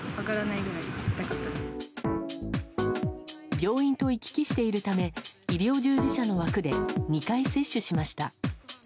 病院と行き来しているため医療従事者の枠で２回接種しました。